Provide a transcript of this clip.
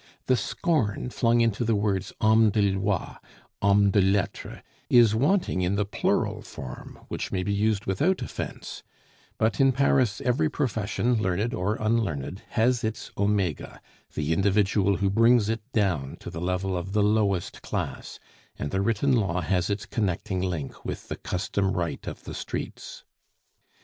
The scorn flung into the words homme de loi, homme de lettres, is wanting in the plural form, which may be used without offence; but in Paris every profession, learned or unlearned, has its omega, the individual who brings it down to the level of the lowest class; and the written law has its connecting link with the custom right of the streets.